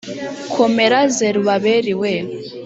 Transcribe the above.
komera zerubabeli we